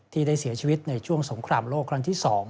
ที่ได้เสียชีวิตในช่วงสงครามโลกครั้งที่๒